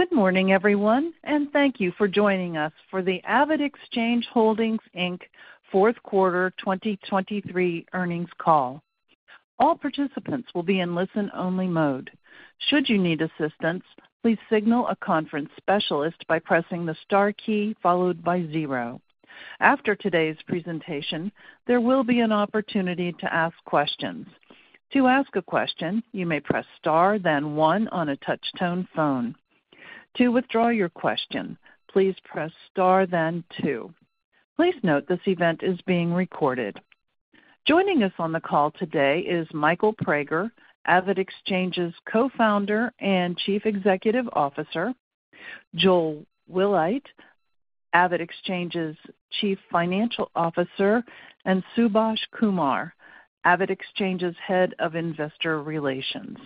Good morning, everyone, and thank you for joining us for the AvidXchange Holdings, Inc. fourth quarter 2023 earnings call. All participants will be in listen-only mode. Should you need assistance, please signal a conference specialist by pressing the Star key followed by zero. After today's presentation, there will be an opportunity to ask questions. To ask a question, you may press Star, then one on a touch-tone phone. To withdraw your question, please press Star, then two. Please note, this event is being recorded. Joining us on the call today is Michael Praeger, AvidXchange's Co-Founder and Chief Executive Officer, Joel Wilhite, AvidXchange's Chief Financial Officer, and Subhaash Kumar, AvidXchange's Head of Investor Relations.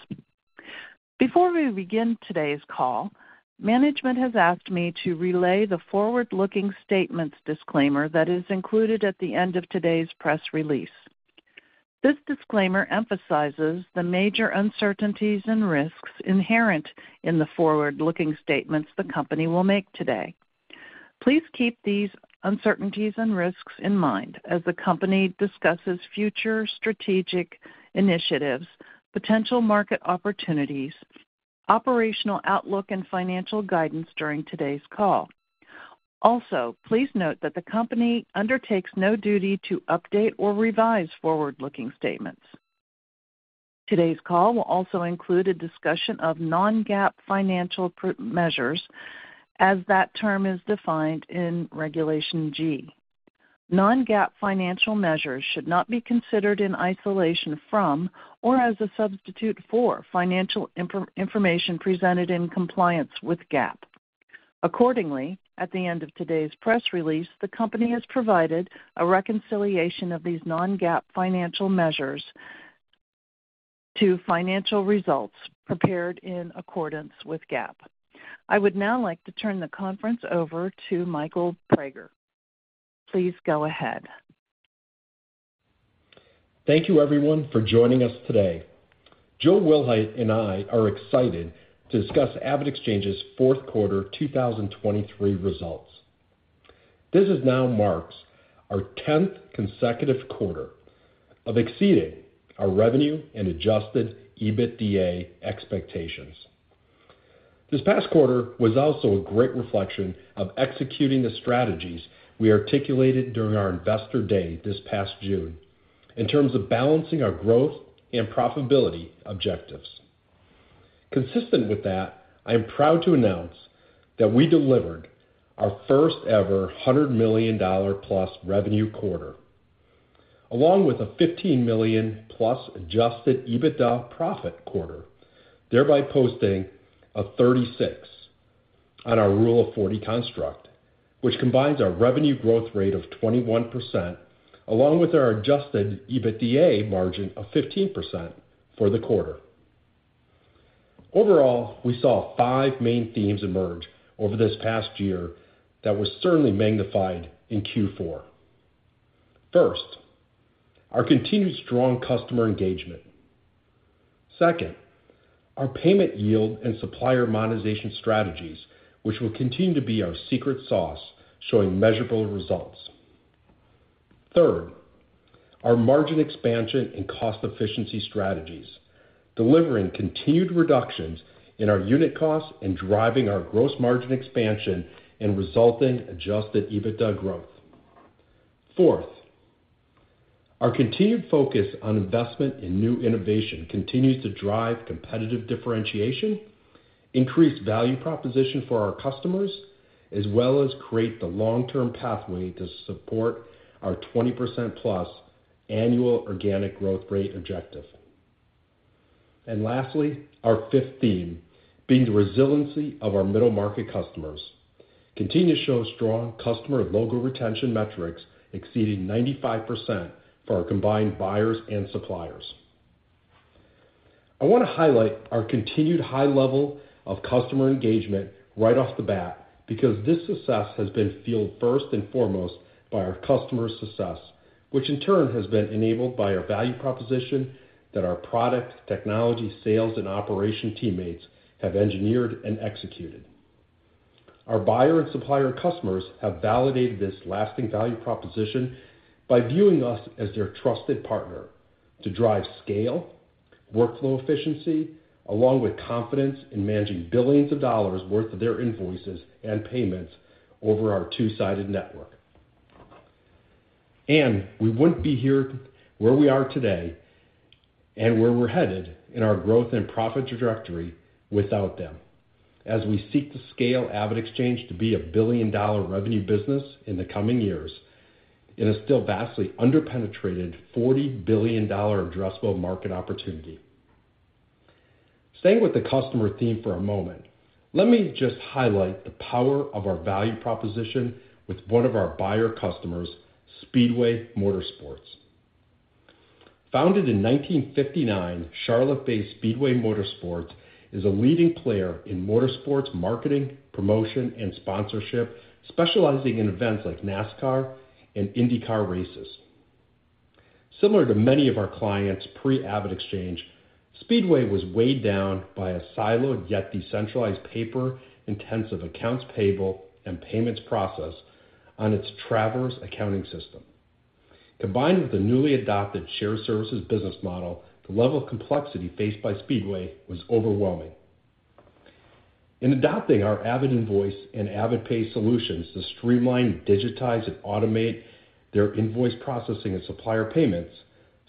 Before we begin today's call, management has asked me to relay the forward-looking statements disclaimer that is included at the end of today's press release. This disclaimer emphasizes the major uncertainties and risks inherent in the forward-looking statements the company will make today. Please keep these uncertainties and risks in mind as the company discusses future strategic initiatives, potential market opportunities, operational outlook, and financial guidance during today's call. Also, please note that the company undertakes no duty to update or revise forward-looking statements. Today's call will also include a discussion of non-GAAP financial measures as that term is defined in Regulation G. Non-GAAP financial measures should not be considered in isolation from or as a substitute for financial information presented in compliance with GAAP. Accordingly, at the end of today's press release, the company has provided a reconciliation of these non-GAAP financial measures to financial results prepared in accordance with GAAP. I would now like to turn the conference over to Michael Praeger. Please go ahead. Thank you, everyone, for joining us today. Joel Wilhite and I are excited to discuss AvidXchange's fourth quarter 2023 results. This now marks our 10th consecutive quarter of exceeding our revenue and adjusted EBITDA expectations. This past quarter was also a great reflection of executing the strategies we articulated during our Investor Day this past June in terms of balancing our growth and profitability objectives. Consistent with that, I am proud to announce that we delivered our first-ever $100 million-plus revenue quarter, along with a $15 million-plus adjusted EBITDA profit quarter, thereby posting a 36 on our Rule of 40 construct, which combines our revenue growth rate of 21%, along with our adjusted EBITDA margin of 15% for the quarter. Overall, we saw five main themes emerge over this past year that were certainly magnified in Q4. First, our continued strong customer engagement. Second, our payment yield and supplier monetization strategies, which will continue to be our secret sauce, showing measurable results. Third, our margin expansion and cost efficiency strategies, delivering continued reductions in our unit costs and driving our gross margin expansion and resulting adjusted EBITDA growth. Fourth, our continued focus on investment in new innovation continues to drive competitive differentiation, increased value proposition for our customers, as well as create the long-term pathway to support our 20%+ annual organic growth rate objective. Lastly, our fifth theme being the resiliency of our middle-market customers, continue to show strong customer logo retention metrics exceeding 95% for our combined buyers and suppliers. I want to highlight our continued high level of customer engagement right off the bat, because this success has been fueled first and foremost by our customer success, which in turn has been enabled by our value proposition that our product, technology, sales, and operation teammates have engineered and executed. Our buyer and supplier customers have validated this lasting value proposition by viewing us as their trusted partner to drive scale, workflow efficiency, along with confidence in managing billions of dollars worth of their invoices and payments over our two-sided network. We wouldn't be here where we are today and where we're headed in our growth and profit trajectory without them. As we seek to scale AvidXchange to be a billion-dollar revenue business in the coming years, it is still a vastly underpenetrated $40 billion addressable market opportunity. Staying with the customer theme for a moment, let me just highlight the power of our value proposition with one of our buyer customers, Speedway Motorsports. Founded in 1959, Charlotte-based Speedway Motorsports is a leading player in motorsports marketing, promotion, and sponsorship, specializing in events like NASCAR and INDYCAR races. Similar to many of our clients pre-AvidXchange, Speedway was weighed down by a siloed, yet decentralized, paper-intensive accounts payable and payments process on its TRAVERSE accounting system. Combined with the newly adopted shared services business model, the level of complexity faced by Speedway was overwhelming. In adopting our AvidInvoice and AvidPay solutions to streamline, digitize, and automate their invoice processing and supplier payments,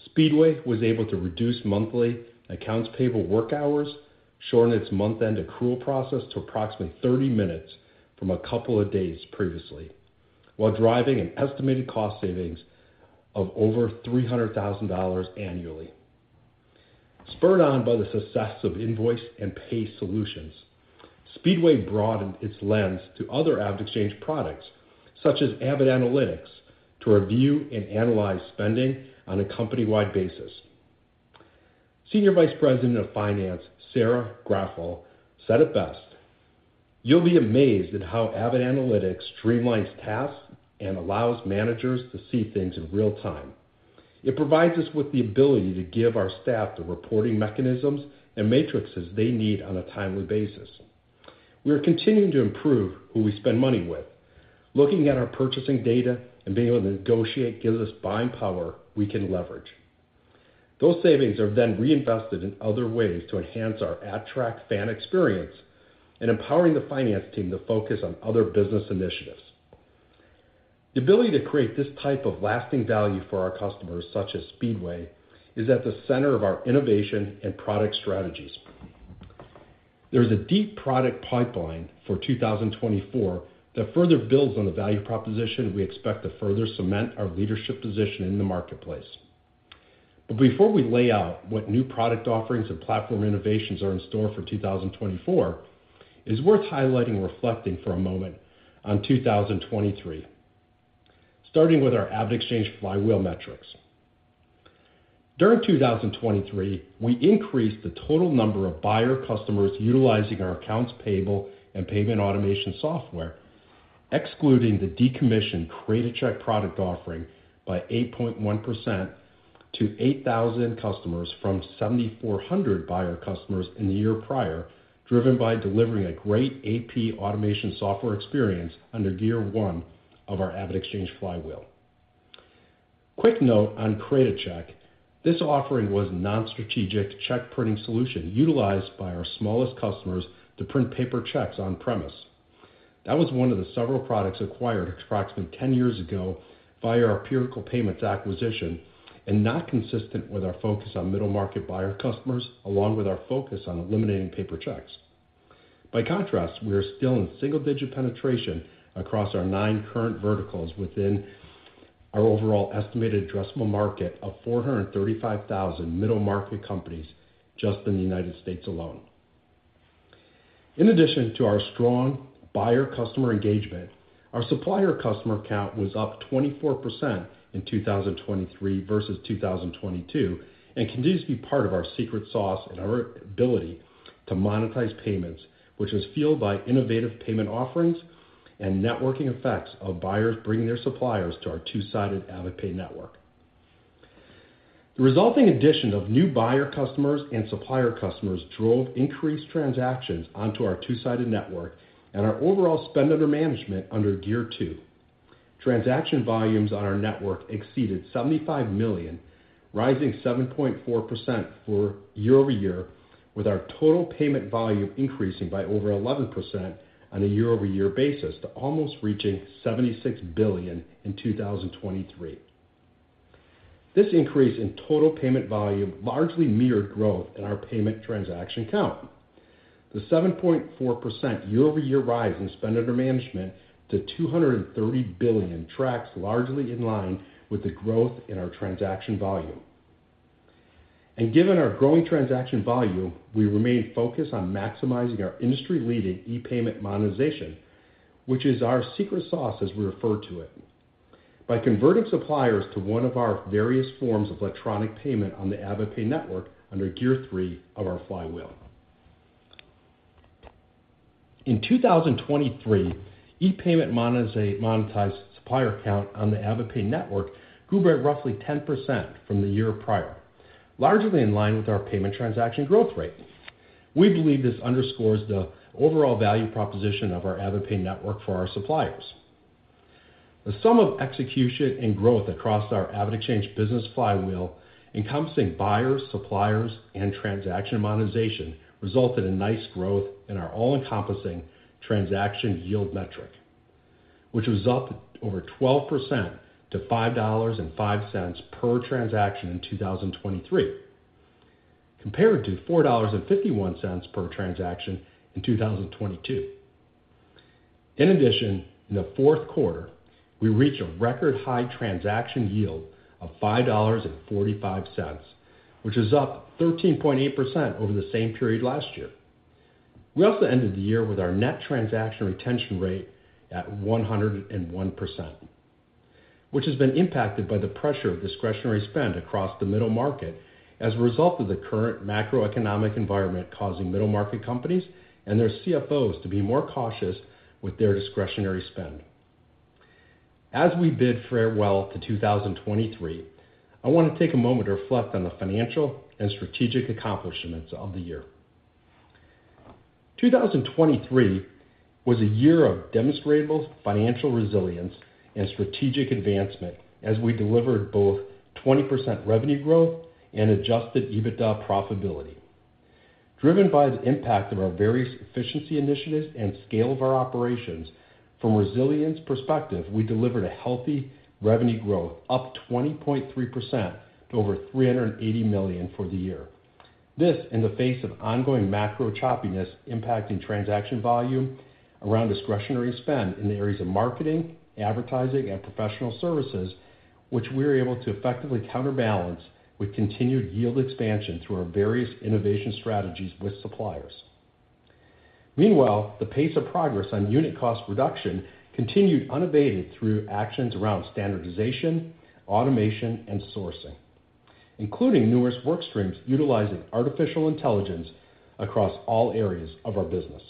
Speedway was able to reduce monthly accounts payable work hours, shorten its month-end accrual process to approximately 30 minutes from a couple of days previously, while driving an estimated cost savings of over $300,000 annually. Spurred on by the success of invoice and pay solutions, Speedway broadened its lens to other AvidXchange products, such as AvidAnalytics, to review and analyze spending on a company-wide basis. Senior Vice President of Finance, Sarah Graffal, said it best, "You'll be amazed at how AvidAnalytics streamlines tasks and allows managers to see things in real time. It provides us with the ability to give our staff the reporting mechanisms and matrices they need on a timely basis. We are continuing to improve who we spend money with. Looking at our purchasing data and being able to negotiate gives us buying power we can leverage. Those savings are then reinvested in other ways to enhance our at-track fan experience and empowering the finance team to focus on other business initiatives." The ability to create this type of lasting value for our customers, such as Speedway, is at the center of our innovation and product strategies. There's a deep product pipeline for 2024 that further builds on the value proposition we expect to further cement our leadership position in the marketplace. But before we lay out what new product offerings and platform innovations are in store for 2024, it's worth highlighting and reflecting for a moment on 2023, starting with our AvidXchange flywheel metrics. During 2023, we increased the total number of buyer customers utilizing our accounts payable and payment automation software, excluding the decommissioned Create-A-Check product offering by 8.1% to 8,000 customers from 7,400 buyer customers in the year prior, driven by delivering a great AP automation software experience under gear one of our AvidXchange flywheel. Quick note on Create-A-Check. This offering was a non-strategic check printing solution utilized by our smallest customers to print paper checks on-premise. That was one of the several products acquired approximately 10 years ago via our Piracle Payments acquisition and not consistent with our focus on middle-market buyer customers, along with our focus on eliminating paper checks. By contrast, we are still in single-digit penetration across our nine current verticals within our overall estimated addressable market of 435,000 middle-market companies just in the United States alone. In addition to our strong buyer-customer engagement, our supplier customer count was up 24% in 2023 versus 2022, and continues to be part of our secret sauce and our ability to monetize payments, which was fueled by innovative payment offerings and networking effects of buyers bringing their suppliers to our two-sided AvidPay network. The resulting addition of new buyer customers and supplier customers drove increased transactions onto our two-sided network and our overall spend under management under gear two. Transaction volumes on our network exceeded 75 million, rising 7.4% year-over-year, with our total payment volume increasing by over 11% on a year-over-year basis to almost reaching $76 billion in 2023. This increase in total payment volume largely mirrored growth in our payment transaction count. The 7.4% year-over-year rise in spend under management to $230 billion tracks largely in line with the growth in our transaction volume. And given our growing transaction volume, we remain focused on maximizing our industry-leading e-payment monetization, which is our secret sauce, as we refer to it, by converting suppliers to one of our various forms of electronic payment on the AvidPay Network under gear three of our flywheel. In 2023, e-payment monetized supplier count on the AvidPay Network grew by roughly 10% from the year prior, largely in line with our payment transaction growth rate. We believe this underscores the overall value proposition of our AvidPay Network for our suppliers. The sum of execution and growth across our AvidXchange business flywheel, encompassing buyers, suppliers, and transaction monetization, resulted in nice growth in our all-encompassing transaction yield metric, which was up over 12% to $5.05 per transaction in 2023, compared to $4.51 per transaction in 2022. In addition, in the fourth quarter, we reached a record high transaction yield of $5.45, which is up 13.8% over the same period last year. We also ended the year with our Net Transaction Retention Rate at 101%, which has been impacted by the pressure of discretionary spend across the middle market as a result of the current macroeconomic environment, causing middle-market companies and their CFOs to be more cautious with their discretionary spend. As we bid farewell to 2023, I want to take a moment to reflect on the financial and strategic accomplishments of the year. 2023 was a year of demonstrable financial resilience and strategic advancement as we delivered both 20% revenue growth and adjusted EBITDA profitability. Driven by the impact of our various efficiency initiatives and scale of our operations, from resilience perspective, we delivered a healthy revenue growth, up 20.3% to over $380 million for the year. This, in the face of ongoing macro choppiness, impacting transaction volume around discretionary spend in the areas of marketing, advertising, and professional services, which we were able to effectively counterbalance with continued yield expansion through our various innovation strategies with suppliers. Meanwhile, the pace of progress on unit cost reduction continued unabated through actions around standardization, automation, and sourcing, including numerous work streams utilizing artificial intelligence across all areas of our business.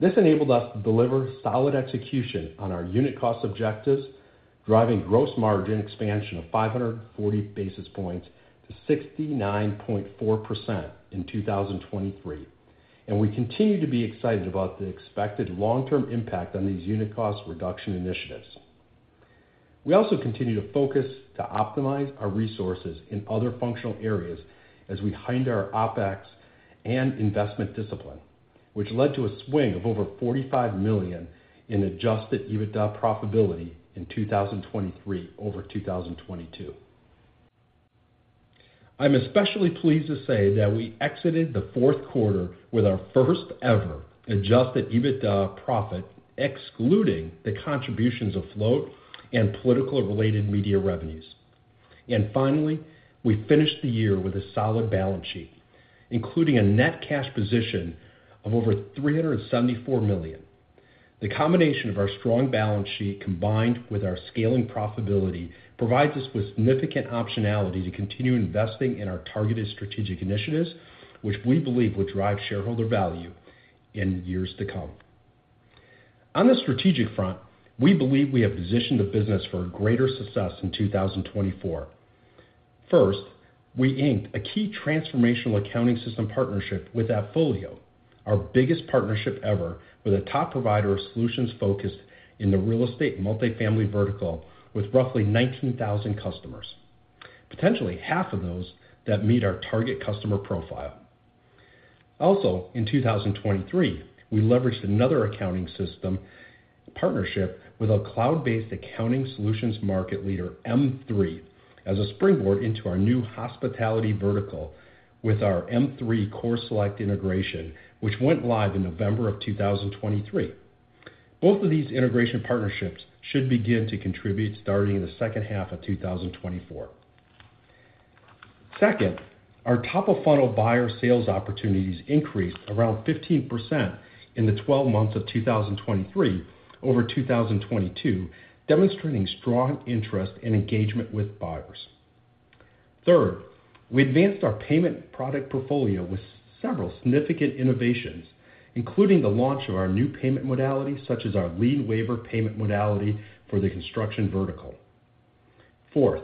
This enabled us to deliver solid execution on our unit cost objectives, driving gross margin expansion of 540 basis points to 69.4% in 2023, and we continue to be excited about the expected long-term impact on these unit cost reduction initiatives. We also continue to focus on optimizing our resources in other functional areas as we mind our OpEx and investment discipline, which led to a swing of over $45 million in adjusted EBITDA profitability in 2023 over 2022. I'm especially pleased to say that we exited the fourth quarter with our first-ever adjusted EBITDA profit, excluding the contributions of float and political-related media revenues. And finally, we finished the year with a solid balance sheet, including a net cash position of over $374 million. The combination of our strong balance sheet, combined with our scaling profitability, provides us with significant optionality to continue investing in our targeted strategic initiatives, which we believe will drive shareholder value in years to come. On the strategic front, we believe we have positioned the business for greater success in 2024. First, we inked a key transformational accounting system partnership with AppFolio, our biggest partnership ever, with a top provider of solutions focused in the real estate multifamily vertical, with roughly 19,000 customers, potentially half of those that meet our target customer profile. Also, in 2023, we leveraged another accounting system partnership with a cloud-based accounting solutions market leader, M3, as a springboard into our new hospitality vertical with our M3 CoreSelect integration, which went live in November of 2023. Both of these integration partnerships should begin to contribute starting in the second half of 2024. Second, our top-of-funnel buyer sales opportunities increased around 15% in the 12 months of 2023 over 2022, demonstrating strong interest and engagement with buyers. Third, we advanced our payment product portfolio with several significant innovations, including the launch of our new payment modality, such as our lien waiver payment modality for the construction vertical. Fourth,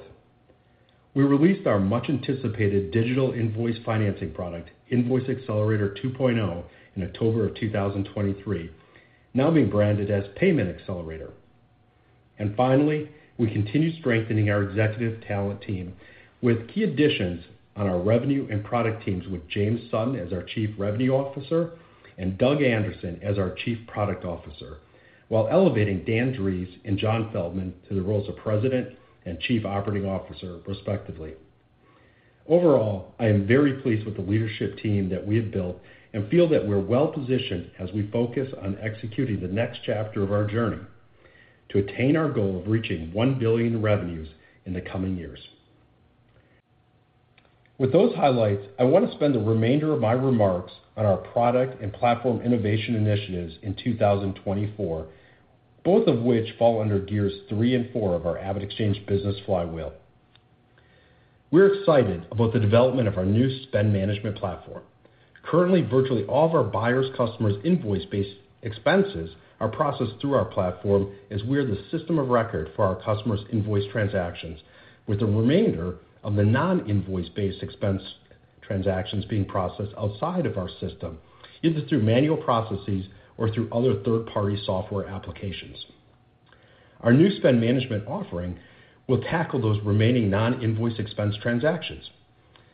we released our much-anticipated digital invoice financing product, Invoice Accelerator 2.0, in October 2023, now being branded as Payment Accelerator. And finally, we continue strengthening our executive talent team with key additions on our revenue and product teams with James Sutton as our Chief Revenue Officer and Doug Anderson as our Chief Product Officer, while elevating Dan Drees and John Feldman to the roles of President and Chief Operating Officer, respectively. Overall, I am very pleased with the leadership team that we have built and feel that we're well-positioned as we focus on executing the next chapter of our journey to attain our goal of reaching $1 billion in revenues in the coming years. With those highlights, I want to spend the remainder of my remarks on our product and platform innovation initiatives in 2024, both of which fall under gears three and four of our AvidXchange business flywheel. We're excited about the development of our new spend management platform. Currently, virtually all of our buyers' customers' invoice-based expenses are processed through our platform as we are the system of record for our customers' invoice transactions, with the remainder of the non-invoice-based expense transactions being processed outside of our system, either through manual processes or through other third-party software applications. Our new spend management offering will tackle those remaining non-invoice expense transactions.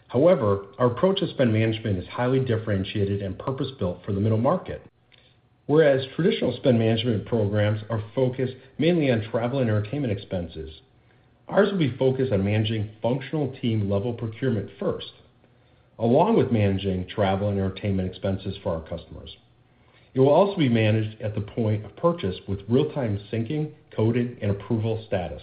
However, our approach to spend management is highly differentiated and purpose-built for the middle market. Whereas traditional spend management programs are focused mainly on travel and entertainment expenses, ours will be focused on managing functional team-level procurement first, along with managing travel and entertainment expenses for our customers. It will also be managed at the point of purchase with real-time syncing, coded, and approval status.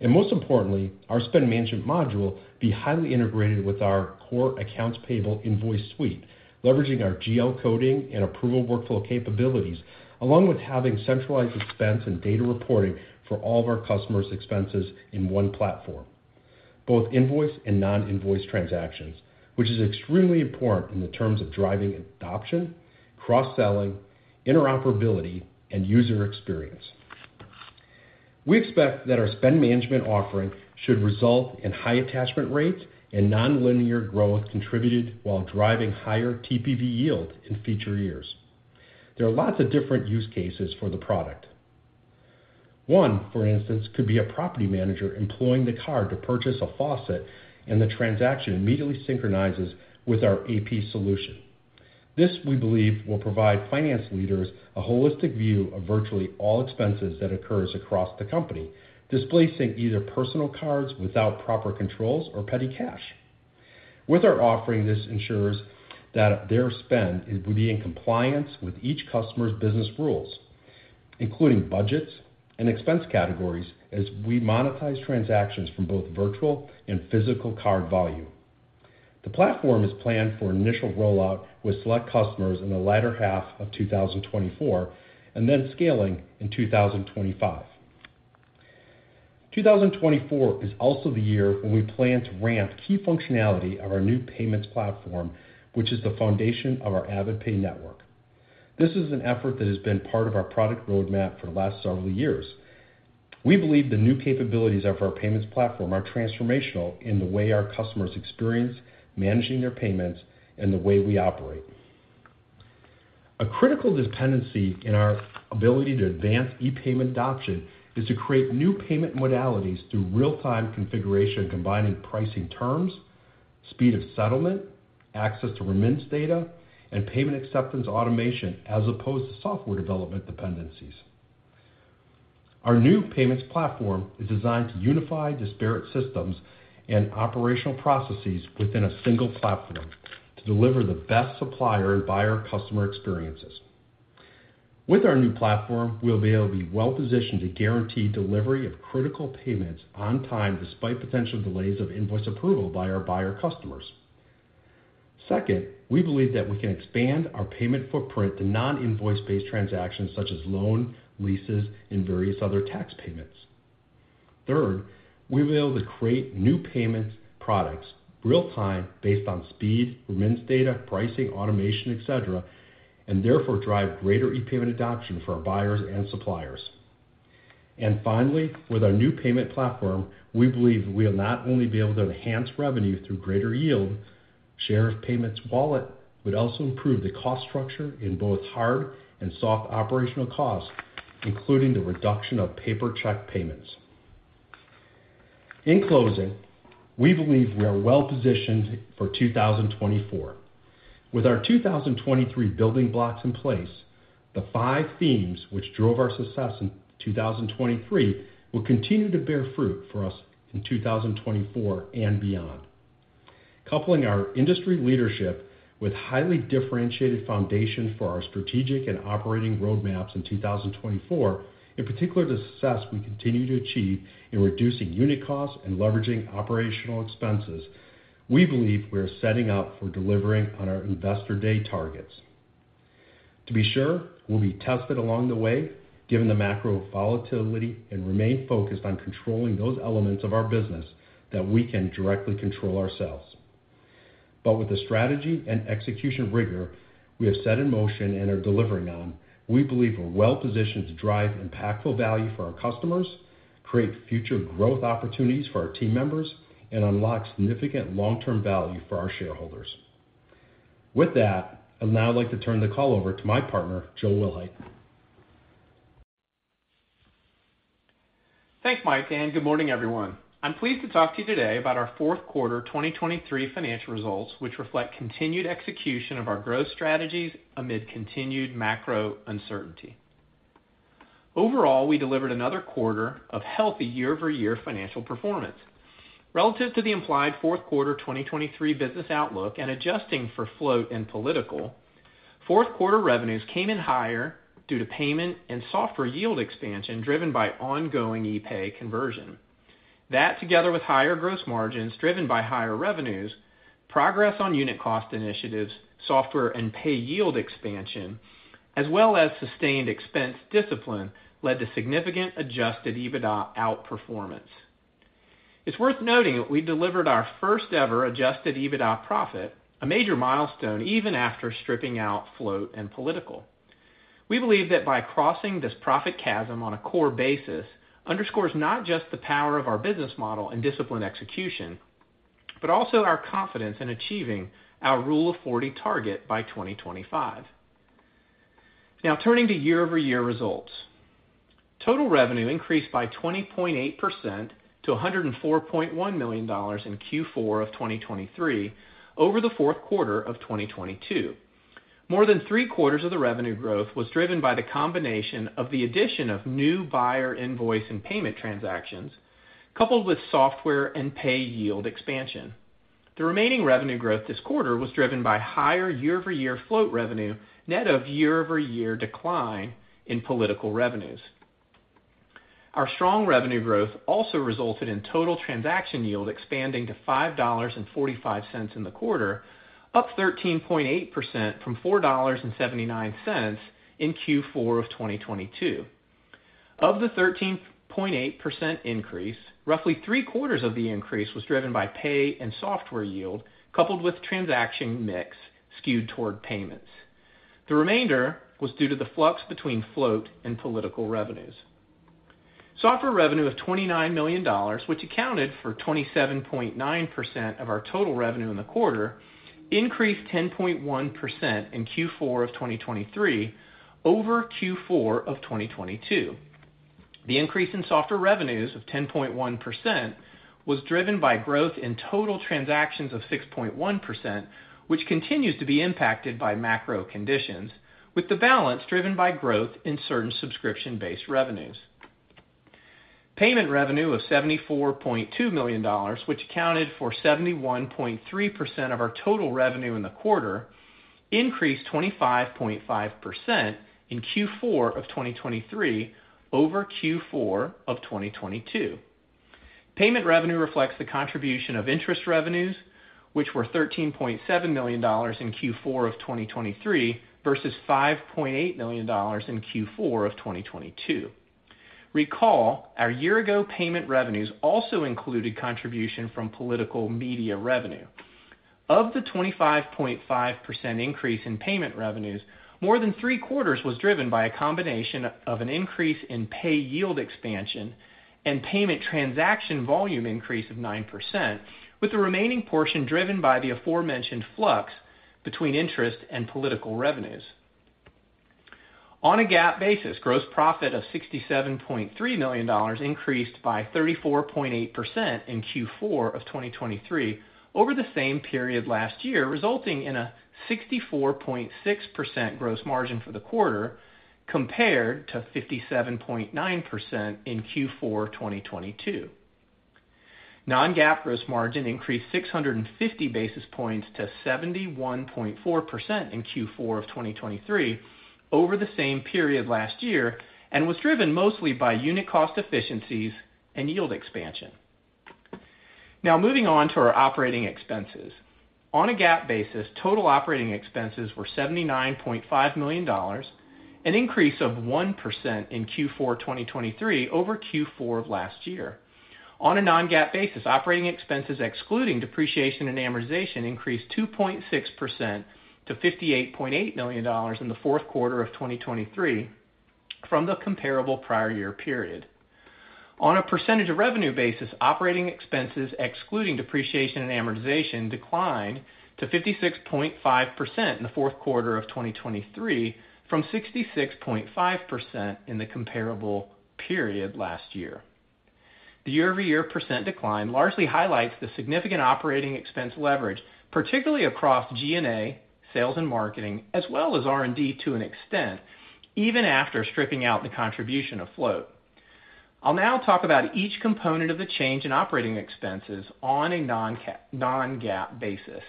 And most importantly, our spend management module will be highly integrated with our core accounts payable invoice suite, leveraging our GL coding and approval workflow capabilities, along with having centralized expense and data reporting for all of our customers' expenses in one platform; both invoice and non-invoice transactions, which is extremely important in the terms of driving adoption, cross-selling, interoperability, and user experience. We expect that our spend management offering should result in high attachment rates and nonlinear growth contributed, while driving higher TPV yield in future years. There are lots of different use cases for the product. One, for instance, could be a property manager employing the card to purchase a faucet, and the transaction immediately synchronizes with our AP solution. This, we believe, will provide finance leaders a holistic view of virtually all expenses that occurs across the company, displacing either personal cards without proper controls or petty cash. With our offering, this ensures that their spend will be in compliance with each customer's business rules, including budgets and expense categories, as we monetize transactions from both virtual and physical card volume. The platform is planned for initial rollout with select customers in the latter half of 2024, and then scaling in 2025. 2024 is also the year when we plan to ramp key functionality of our new payments platform, which is the foundation of our AvidPay Network. This is an effort that has been part of our product roadmap for the last several years. We believe the new capabilities of our payments platform are transformational in the way our customers experience managing their payments and the way we operate. A critical dependency in our ability to advance e-payment adoption is to create new payment modalities through real-time configuration, combining pricing terms, speed of settlement, access to remittance data, and payment acceptance automation, as opposed to software development dependencies. Our new payments platform is designed to unify disparate systems and operational processes within a single platform to deliver the best supplier and buyer customer experiences. With our new platform, we'll be able to be well-positioned to guarantee delivery of critical payments on time, despite potential delays of invoice approval by our buyer customers. Second, we believe that we can expand our payment footprint to non-invoice-based transactions such as loan, leases, and various other tax payments. Third, we'll be able to create new payment products real time, based on speed, remittance data, pricing, automation, et cetera, and therefore drive greater e-payment adoption for our buyers and suppliers. And finally, with our new payment platform, we believe we will not only be able to enhance revenue through greater yield, share of payments wallet, but also improve the cost structure in both hard and soft operational costs, including the reduction of paper check payments. In closing, we believe we are well-positioned for 2024. With our 2023 building blocks in place, the five themes which drove our success in 2023 will continue to bear fruit for us in 2024 and beyond. Coupling our industry leadership with highly differentiated foundation for our strategic and operating roadmaps in 2024, in particular, the success we continue to achieve in reducing unit costs and leveraging operational expenses, we believe we are setting up for delivering on our Investor Day targets. To be sure, we'll be tested along the way, given the macro volatility, and remain focused on controlling those elements of our business that we can directly control ourselves. But with the strategy and execution rigor we have set in motion and are delivering on, we believe we're well-positioned to drive impactful value for our customers, create future growth opportunities for our team members, and unlock significant long-term value for our shareholders. With that, I'd now like to turn the call over to my partner, Joel Wilhite. Thanks, Mike, and good morning, everyone. I'm pleased to talk to you today about our fourth quarter 2023 financial results, which reflect continued execution of our growth strategies amid continued macro uncertainty. Overall, we delivered another quarter of healthy year-over-year financial performance. Relative to the implied fourth quarter 2023 business outlook and adjusting for float and political, fourth quarter revenues came in higher due to payment and software yield expansion, driven by ongoing e-pay conversion. That, together with higher gross margins driven by higher revenues, progress on unit cost initiatives, software and pay yield expansion, as well as sustained expense discipline, led to significant adjusted EBITDA outperformance. It's worth noting that we delivered our first-ever adjusted EBITDA profit, a major milestone, even after stripping out float and political. We believe that by crossing this profit chasm on a core basis underscores not just the power of our business model and disciplined execution, but also our confidence in achieving our Rule of 40 target by 2025. Now, turning to year-over-year results. Total revenue increased by 20.8% to $104.1 million in Q4 of 2023 over the fourth quarter of 2022. More than three quarters of the revenue growth was driven by the combination of the addition of new buyer invoice and payment transactions, coupled with software and pay yield expansion. The remaining revenue growth this quarter was driven by higher year-over-year float revenue, net of year-over-year decline in political revenues. Our strong revenue growth also resulted in total transaction yield expanding to $5.45 in the quarter, up 13.8% from $4.79 in Q4 of 2022. Of the 13.8% increase, roughly three quarters of the increase was driven by pay and software yield, coupled with transaction mix skewed toward payments. The remainder was due to the flux between float and political revenues. Software revenue of $29 million, which accounted for 27.9% of our total revenue in the quarter, increased 10.1% in Q4 of 2023 over Q4 of 2022. The increase in software revenues of 10.1% was driven by growth in total transactions of 6.1%, which continues to be impacted by macro conditions, with the balance driven by growth in certain subscription-based revenues. Payment revenue of $74.2 million, which accounted for 71.3% of our total revenue in the quarter, increased 25.5% in Q4 of 2023 over Q4 of 2022. Payment revenue reflects the contribution of interest revenues, which were $13.7 million in Q4 of 2023 versus $5.8 million in Q4 of 2022. Recall, our year-ago payment revenues also included contribution from political media revenue. Of the 25.5% increase in payment revenues, more than three quarters was driven by a combination of an increase in pay yield expansion and payment transaction volume increase of 9%, with the remaining portion driven by the aforementioned flux between interest and political revenues. On a GAAP basis, gross profit of $67.3 million increased by 34.8% in Q4 of 2023 over the same period last year, resulting in a 64.6% gross margin for the quarter, compared to 57.9% in Q4 2022. Non-GAAP gross margin increased 650 basis points to 71.4% in Q4 of 2023 over the same period last year, and was driven mostly by unit cost efficiencies and yield expansion. Now, moving on to our operating expenses. On a GAAP basis, total operating expenses were $79.5 million, an increase of 1% in Q4 2023 over Q4 of last year. On a non-GAAP basis, operating expenses, excluding depreciation and amortization, increased 2.6% to $58.8 million in the fourth quarter of 2023 from the comparable prior year period. On a percentage of revenue basis, operating expenses, excluding depreciation and amortization, declined to 56.5% in the fourth quarter of 2023 from 66.5% in the comparable period last year. The year-over-year percent decline largely highlights the significant operating expense leverage, particularly across G&A, sales and marketing, as well as R&D to an extent, even after stripping out the contribution of float. I'll now talk about each component of the change in operating expenses on a non-GAAP basis.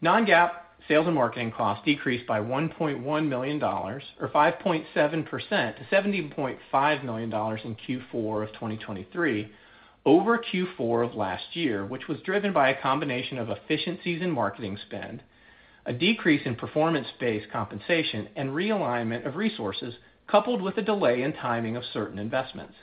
Non-GAAP sales and marketing costs decreased by $1.1 million, or 5.7% to $70.5 million in Q4 of 2023 over Q4 of last year, which was driven by a combination of efficiencies in marketing spend, a decrease in performance-based compensation, and realignment of resources, coupled with a delay in timing of certain investments.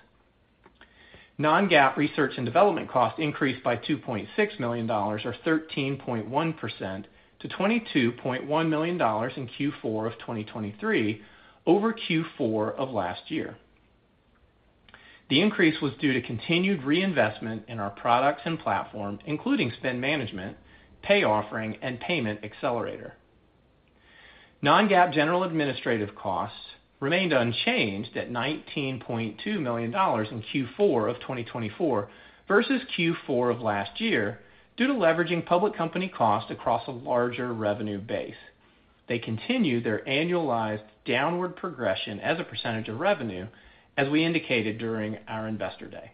Non-GAAP research and development costs increased by $2.6 million, or 13.1% to $22.1 million in Q4 of 2023 over Q4 of last year. The increase was due to continued reinvestment in our products and platform, including spend management, pay offering, and payment accelerator. Non-GAAP general administrative costs remained unchanged at $19.2 million in Q4 of 2024 versus Q4 of last year, due to leveraging public company costs across a larger revenue base. They continue their annualized downward progression as a percentage of revenue, as we indicated during our Investor Day.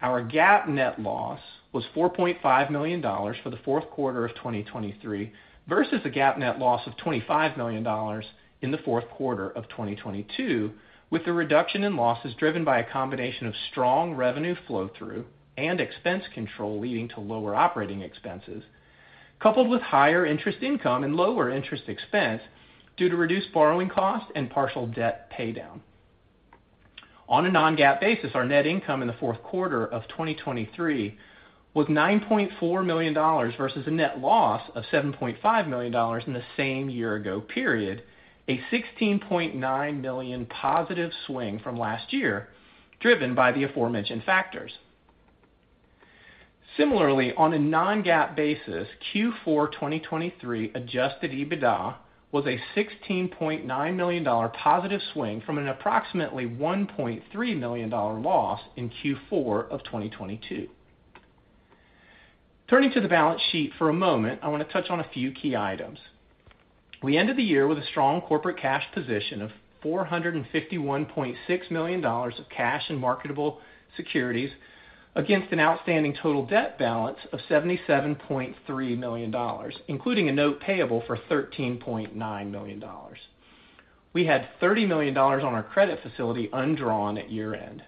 Our GAAP net loss was $4.5 million for the fourth quarter of 2023, versus a GAAP net loss of $25 million in the fourth quarter of 2022, with the reduction in losses driven by a combination of strong revenue flow-through and expense control, leading to lower operating expenses, coupled with higher interest income and lower interest expense due to reduced borrowing costs and partial debt paydown. On a non-GAAP basis, our net income in the fourth quarter of 2023 was $9.4 million versus a net loss of $7.5 million in the same year-ago period, a $16.9 million positive swing from last year, driven by the aforementioned factors. Similarly, on a non-GAAP basis, Q4 2023 adjusted EBITDA was a $16.9 million positive swing from an approximately $1.3 million loss in Q4 of 2022. Turning to the balance sheet for a moment, I want to touch on a few key items. We ended the year with a strong corporate cash position of $451.6 million of cash and marketable securities against an outstanding total debt balance of $77.3 million, including a note payable for $13.9 million. We had $30 million on our credit facility undrawn at year-end.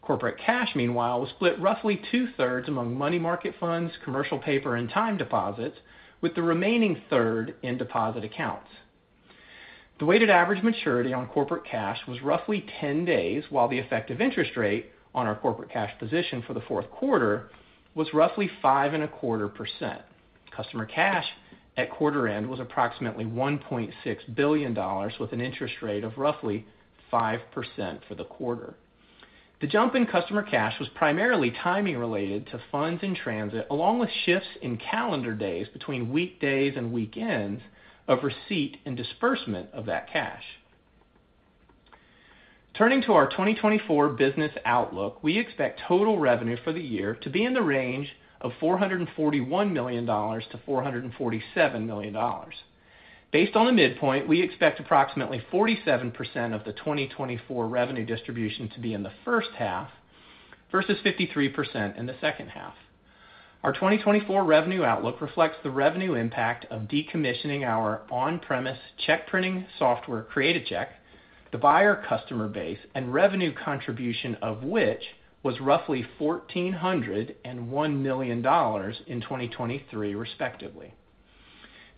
Corporate cash, meanwhile, was split roughly two-thirds among money market funds, commercial paper, and time deposits, with the remaining third in deposit accounts. The weighted average maturity on corporate cash was roughly 10 days, while the effective interest rate on our corporate cash position for the fourth quarter was roughly 5.25%. Customer cash at quarter end was approximately $1.6 billion, with an interest rate of roughly 5% for the quarter. The jump in customer cash was primarily timing related to funds in transit, along with shifts in calendar days between weekdays and weekends of receipt and disbursement of that cash. Turning to our 2024 business outlook, we expect total revenue for the year to be in the range of $441 million-$447 million. Based on the midpoint, we expect approximately 47% of the 2024 revenue distribution to be in the first half, versus 53% in the second half. Our 2024 revenue outlook reflects the revenue impact of decommissioning our on-premise check printing software, Create-A-Check, the buyer customer base, and revenue contribution, of which was roughly $1,401 million in 2023, respectively.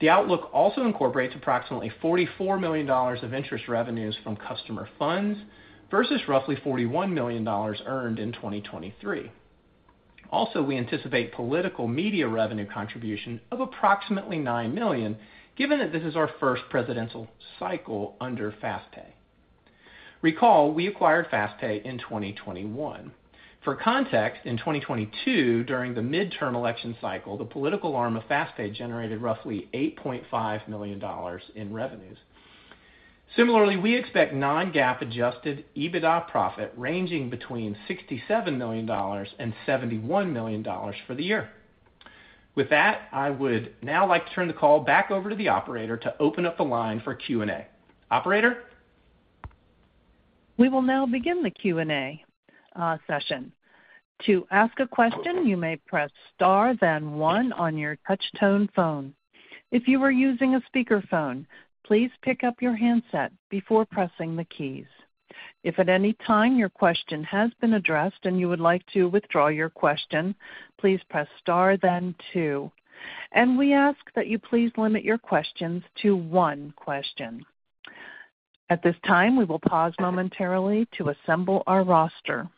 The outlook also incorporates approximately $44 million of interest revenues from customer funds versus roughly $41 million earned in 2023. Also, we anticipate political media revenue contribution of approximately $9 million, given that this is our first presidential cycle under FastPay. Recall, we acquired FastPay in 2021. For context, in 2022, during the midterm election cycle, the political arm of FastPay generated roughly $8.5 million in revenues. Similarly, we expect non-GAAP adjusted EBITDA profit ranging between $67 million and $71 million for the year. With that, I would now like to turn the call back over to the operator to open up the line for Q&A. Operator? We will now begin the Q&A session. To ask a question, you may press star, then one on your touch tone phone. If you were using a speakerphone, please pick up your handset before pressing the keys. If at any time your question has been addressed and you would like to withdraw your question, please press star, then two. We ask that you please limit your questions to one question. At this time, we will pause momentarily to assemble our roster.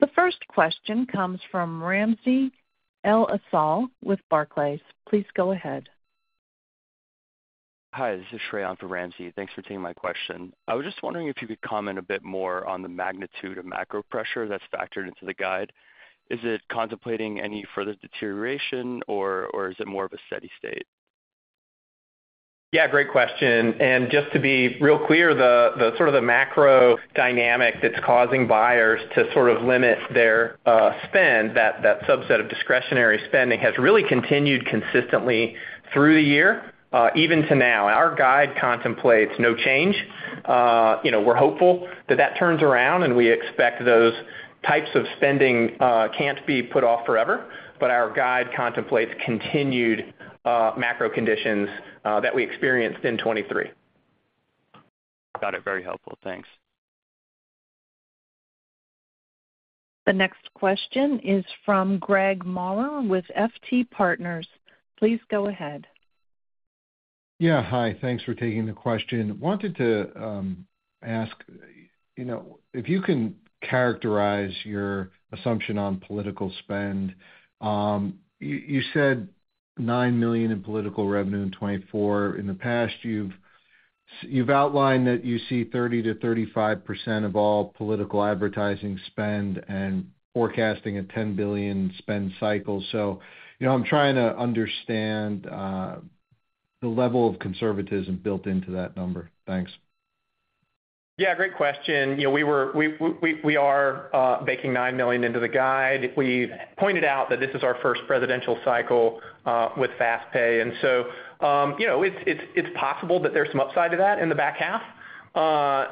The first question comes from Ramsey El-Assal with Barclays. Please go ahead. Hi, this is Shray for Ramsey. Thanks for taking my question. I was just wondering if you could comment a bit more on the magnitude of macro pressure that's factored into the guide. Is it contemplating any further deterioration, or, or is it more of a steady state? Yeah, great question. Just to be real clear, the sort of macro dynamic that's causing buyers to sort of limit their spend, that subset of discretionary spending has really continued consistently through the year, even to now. Our guide contemplates no change. You know, we're hopeful that that turns around, and we expect those types of spending can't be put off forever, but our guide contemplates continued macro conditions that we experienced in 2023. Got it. Very helpful. Thanks. The next question is from Craig Maurer with FT Partners. Please go ahead. Yeah, hi. Thanks for taking the question. Wanted to ask, you know, if you can characterize your assumption on political spend. You said $9 million in political revenue in 2024. In the past, you've outlined that you see 30%-35% of all political advertising spend and forecasting a $10 billion spend cycle. So, you know, I'm trying to understand the level of conservatism built into that number. Thanks. Yeah, great question. You know, we are baking $9 million into the guide. We've pointed out that this is our first presidential cycle with FastPay, and so, you know, it's possible that there's some upside to that in the back half.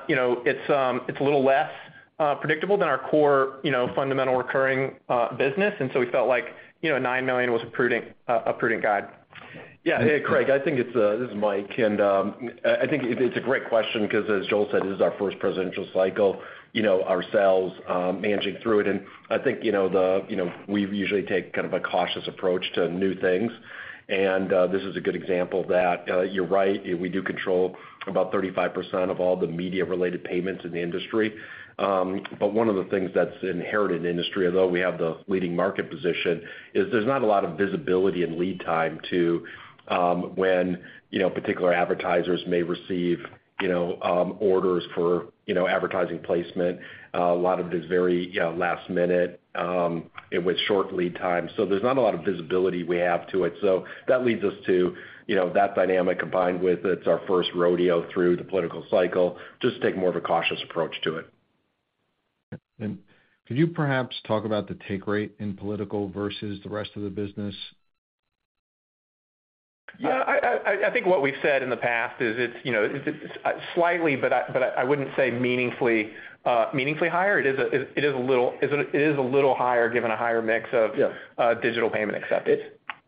You know, it's a little less predictable than our core, you know, fundamental recurring business, and so we felt like, you know, $9 million was a prudent guide. Yeah. Hey, Craig, I think it's... This is Mike, and I think it's a great question because, as Joel said, this is our first presidential cycle, you know, ourselves managing through it. And I think, you know, we usually take kind of a cautious approach to new things, and this is a good example of that. You're right, we do control about 35% of all the media-related payments in the industry. But one of the things that's inherited in the industry, although we have the leading market position, is there's not a lot of visibility and lead time to when, you know, particular advertisers may receive, you know, orders for, you know, advertising placement. A lot of it is very, you know, last minute, and with short lead time. There's not a lot of visibility we have to it. That leads us to, you know, that dynamic, combined with it's our first rodeo through the political cycle, just take more of a cautious approach to it. Could you perhaps talk about the take rate in political versus the rest of the business? I think what we've said in the past is it's, you know, it's slightly, but I wouldn't say meaningfully higher. It is a little higher, given a higher mix of- Yeah... digital payment acceptance....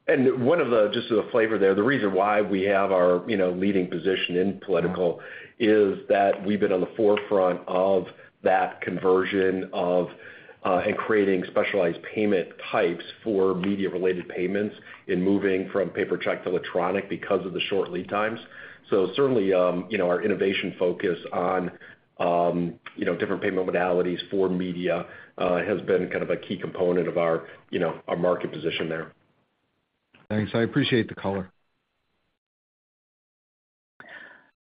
And one of the, just as a flavor there, the reason why we have our, you know, leading position in political is that we've been on the forefront of that conversion of, and creating specialized payment types for media-related payments in moving from paper check to electronic because of the short lead times. So certainly, you know, our innovation focus on, you know, different payment modalities for media, has been kind of a key component of our, you know, our market position there. Thanks. I appreciate the color.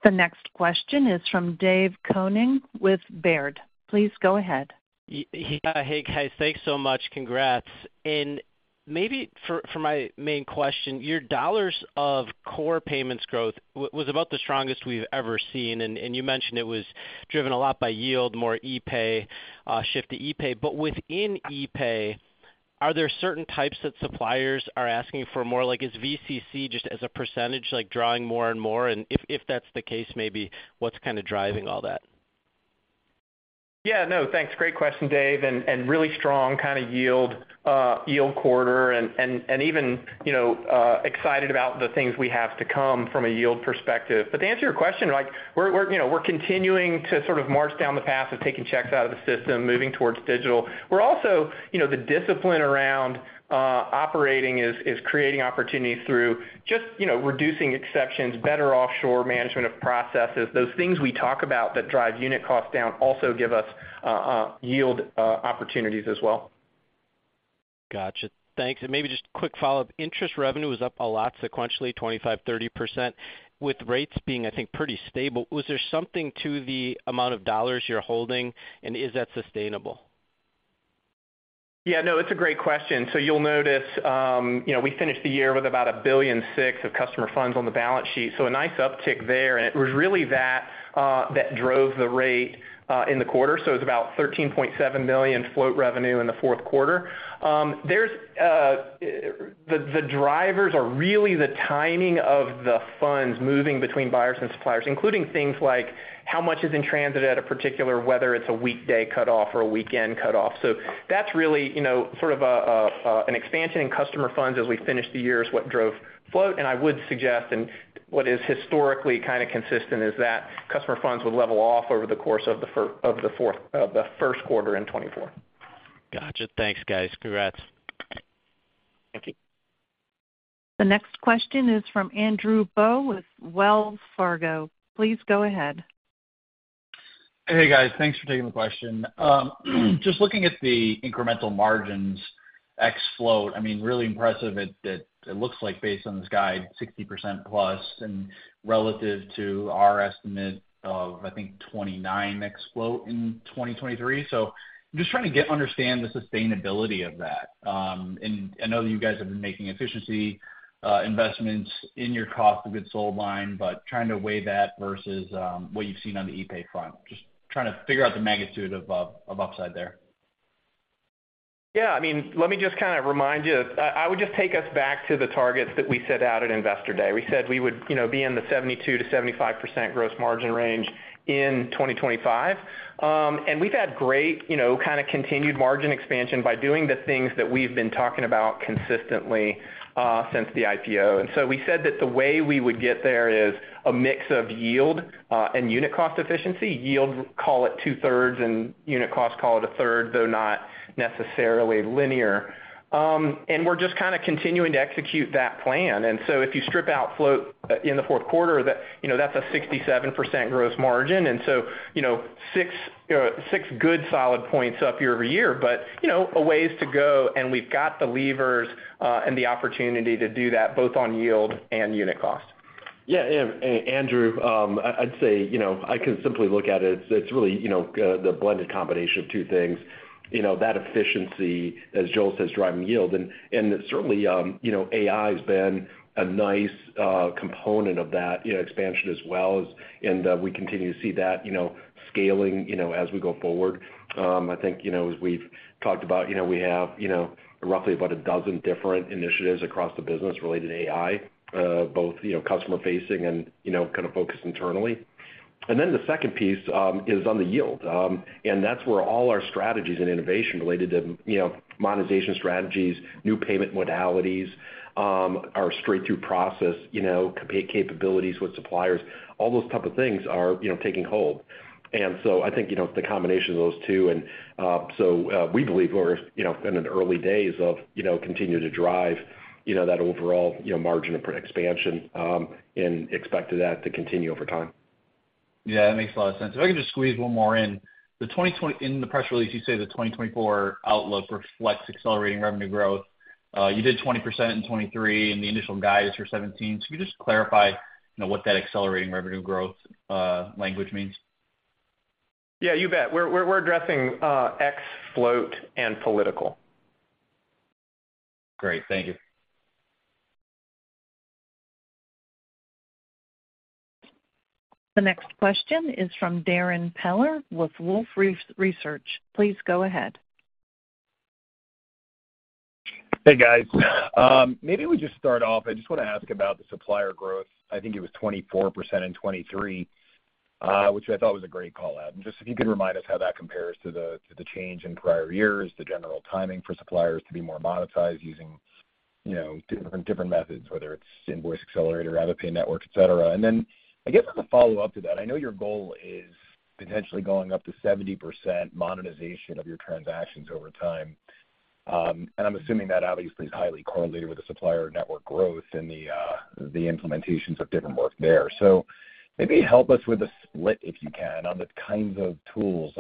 The next question is from Dave Koning with Baird. Please go ahead. Yeah. Hey, guys, thanks so much. Congrats. And maybe for my main question, your dollars of core payments growth was about the strongest we've ever seen, and you mentioned it was driven a lot by yield, more e-pay, shift to e-pay. But within e-pay, are there certain types that suppliers are asking for more? Like, is VCC just as a percentage, like, drawing more and more? And if that's the case, maybe what's kind of driving all that? Yeah, no, thanks. Great question, Dave, and really strong kind of yield quarter and even, you know, excited about the things we have to come from a yield perspective. But to answer your question, like we're, you know, we're continuing to sort of march down the path of taking checks out of the system, moving towards digital. We're also, you know, the discipline around operating is creating opportunities through just, you know, reducing exceptions, better offshore management of processes. Those things we talk about that drive unit costs down also give us yield opportunities as well. Gotcha. Thanks. Maybe just a quick follow-up. Interest revenue was up a lot sequentially, 25%-30%, with rates being, I think, pretty stable. Was there something to the amount of dollars you're holding, and is that sustainable? Yeah, no, it's a great question. So you'll notice, you know, we finished the year with about $1.6 billion of customer funds on the balance sheet, so a nice uptick there, and it was really that that drove the rate in the quarter. So it's about $13.7 million float revenue in the fourth quarter. There's the drivers are really the timing of the funds moving between buyers and suppliers, including things like how much is in transit at a particular, whether it's a weekday cutoff or a weekend cutoff. So that's really, you know, sort of an expansion in customer funds as we finish the year is what drove float. And I would suggest, and what is historically kind of consistent, is that customer funds will level off over the course of the first quarter in 2024. Gotcha. Thanks, guys. Congrats. Thank you. The next question is from Andrew Bauch with Wells Fargo. Please go ahead. Hey, guys. Thanks for taking the question. Just looking at the incremental margins ex float, I mean, really impressive. It looks like based on this guide, 60%+, and relative to our estimate of, I think, 29 ex float in 2023. So I'm just trying to get, understand the sustainability of that. And I know that you guys have been making efficiency investments in your cost of goods sold line, but trying to weigh that versus what you've seen on the e-pay front. Just trying to figure out the magnitude of upside there. Yeah, I mean, let me just kind of remind you. I would just take us back to the targets that we set out at Investor Day. We said we would, you know, be in the 72%-75% gross margin range in 2025. And we've had great, you know, kind of continued margin expansion by doing the things that we've been talking about consistently, since the IPO. And so we said that the way we would get there is a mix of yield, and unit cost efficiency. Yield, call it 2/3, and unit cost, call it 1/3, though not necessarily linear. And we're just kind of continuing to execute that plan. And so if you strip out float, in the fourth quarter, that, you know, that's a 67% gross margin. So, you know, six good solid points up year-over-year, but, you know, a ways to go, and we've got the levers and the opportunity to do that, both on yield and unit cost. Yeah, and, and Andrew, I'd say, you know, I can simply look at it. It's really, you know, the blended combination of two things. You know, that efficiency, as Joel says, driving yield. And, and certainly, you know, AI has been a nice, component of that, you know, expansion as well as, and, we continue to see that, you know, scaling, you know, as we go forward. I think, you know, as we've talked about, you know, we have, you know, roughly about a dozen different initiatives across the business related to AI, both, you know, customer facing and, you know, kind of focused internally. And then the second piece, is on the yield. And that's where all our strategies and innovation related to, you know, monetization strategies, new payment modalities, our straight-through process, you know, capabilities with suppliers, all those type of things are, you know, taking hold. And so I think, you know, the combination of those two and, so, we believe we're, you know, in an early days of, you know, continuing to drive, you know, that overall, you know, margin of expansion, and expect that to continue over time. Yeah, that makes a lot of sense. If I could just squeeze one more in. In the press release, you say the 2024 outlook reflects accelerating revenue growth. You did 20% in 2023, and the initial guidance for 17. Can you just clarify, you know, what that accelerating revenue growth language means? Yeah, you bet. We're addressing ex float and political. Great. Thank you. The next question is from Darrin Peller with Wolfe Research. Please go ahead. Hey, guys. Maybe we just start off. I just want to ask about the supplier growth. I think it was 24% in 2023.... which I thought was a great call-out. And just if you could remind us how that compares to the change in prior years, the general timing for suppliers to be more monetized using, you know, different methods, whether it's Invoice Accelerator, AvidPay Network, et cetera. And then I guess as a follow-up to that, I know your goal is potentially going up to 70% monetization of your transactions over time. And I'm assuming that obviously is highly correlated with the supplier network growth and the implementations of different work there. So maybe help us with a split, if you can, on the kinds of tools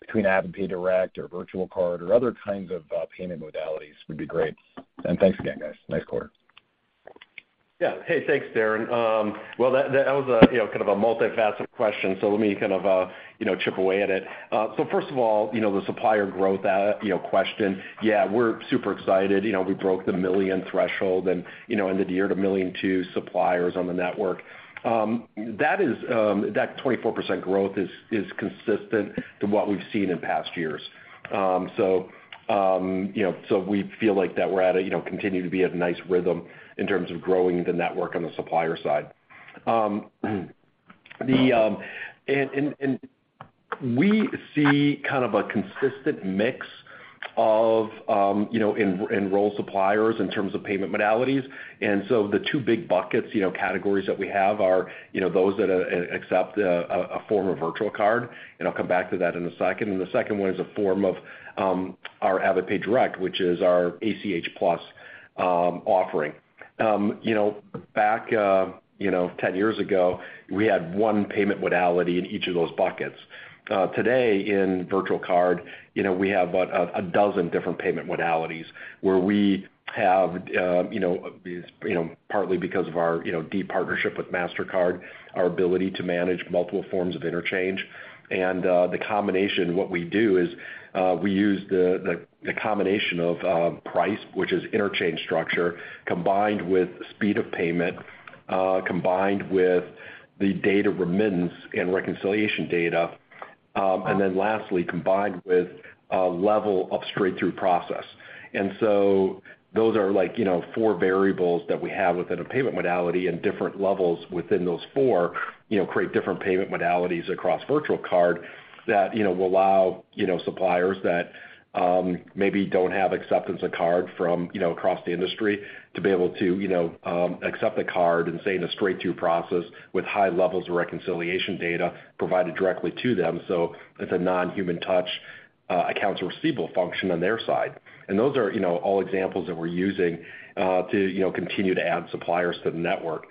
between AvidPay Direct or virtual card or other kinds of payment modalities would be great. And thanks again, guys. Nice quarter. Yeah. Hey, thanks, Darrin. Well, that, that was a, you know, kind of a multifaceted question, so let me kind of, you know, chip away at it. So first of all, you know, the supplier growth out, you know, question. Yeah, we're super excited. You know, we broke the 1 million threshold and, you know, ended the year at 1.2 million suppliers on the network. That is, that 24% growth is, is consistent to what we've seen in past years. So, you know, so we feel like that we're at a, you know, continue to be at a nice rhythm in terms of growing the network on the supplier side. The... And, and, and we see kind of a consistent mix of, you know, enroll suppliers in terms of payment modalities. So the two big buckets, you know, categories that we have are, you know, those that accept a form of virtual card, and I'll come back to that in a second. The second one is a form of our AvidPay Direct, which is our ACH Plus offering. You know, back 10 years ago, we had one payment modality in each of those buckets. Today, in virtual card, you know, we have about 12 different payment modalities, where we have these, you know, partly because of our, you know, deep partnership with Mastercard, our ability to manage multiple forms of interchange. And the combination, what we do is, we use the combination of price, which is interchange structure, combined with speed of payment, combined with the date of remittance and reconciliation data, and then lastly, combined with a level of straight-through process. And so those are like, you know, four variables that we have within a payment modality, and different levels within those four, you know, create different payment modalities across virtual card that, you know, will allow, you know, suppliers that maybe don't have acceptance of card from, you know, across the industry, to be able to, you know, accept a card and stay in a straight-through process with high levels of reconciliation data provided directly to them. So it's a non-human touch accounts receivable function on their side. Those are, you know, all examples that we're using to, you know, continue to add suppliers to the network.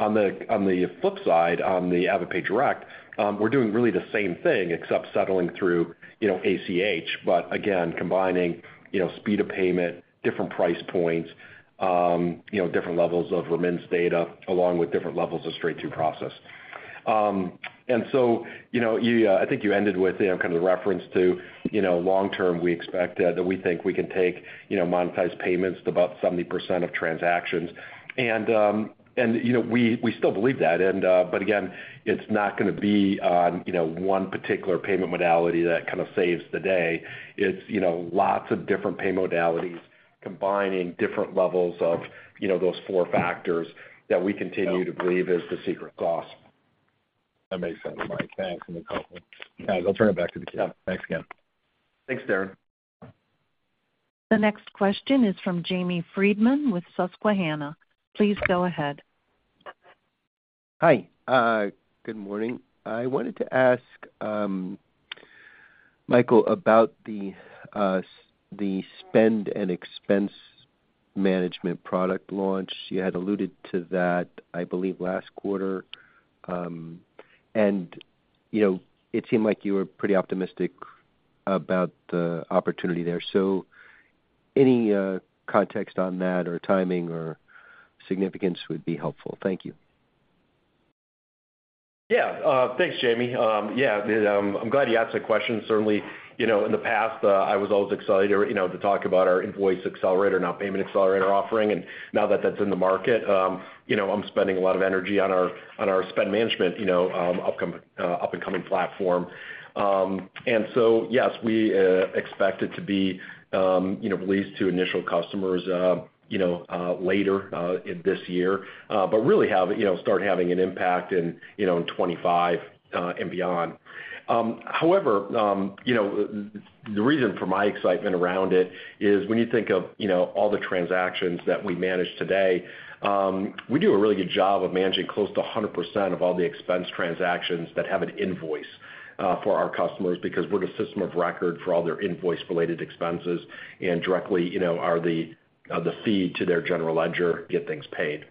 On the flip side, on the AvidPay Direct, we're doing really the same thing, except settling through, you know, ACH, but again, combining, you know, speed of payment, different price points, you know, different levels of remittance data, along with different levels of straight-through process. And so, you know, I think you ended with, you know, kind of the reference to, you know, long term, we expect that we think we can take, you know, monetized payments to about 70% of transactions. And, you know, we, we still believe that. But again, it's not gonna be on, you know, one particular payment modality that kind of saves the day. It's, you know, lots of different pay modalities combining different levels of, you know, those four factors that we continue to believe is the secret sauce. That makes sense, Mike. Thanks for the comment. I'll turn it back to the queue. Yeah. Thanks again. Thanks, Darren. The next question is from Jamie Friedman with Susquehanna. Please go ahead. Hi, good morning. I wanted to ask, Michael, about the, the spend and expense management product launch. You had alluded to that, I believe, last quarter. And, you know, it seemed like you were pretty optimistic about the opportunity there. So any, context on that, or timing, or significance would be helpful? Thank you. Yeah, thanks, Jamie. Yeah, I'm glad you asked that question. Certainly, you know, in the past, I was always excited, you know, to talk about our Invoice Accelerator, now Payment Accelerator offering, and now that that's in the market, you know, I'm spending a lot of energy on our, on our spend management, you know, upcoming, up-and-coming platform. And so, yes, we expect it to be, you know, released to initial customers, you know, later in this year, but really have, you know, start having an impact in, you know, in 2025, and beyond. However, you know, the reason for my excitement around it is when you think of, you know, all the transactions that we manage today, we do a really good job of managing close to 100% of all the expense transactions that have an invoice, for our customers, because we're the system of record for all their invoice-related expenses and directly, you know, are the, the feed to their general ledger, get things paid.